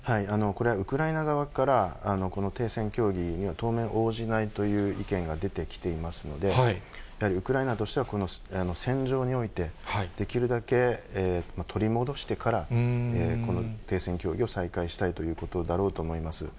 これは、ウクライナ側から、この停戦協議には当面、応じないという意見が出てきていますので、やはりウクライナとしては、この戦場において、できるだけ取り戻してからこの停戦協議を再開したいということだろうと思います。